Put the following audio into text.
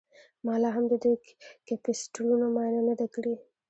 ما لاهم د دې کیپیسټرونو معاینه نه ده کړې